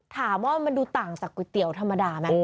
ถามว่ามันดูต่างจากก๋วยเตี๋ยวธรรมดาไหม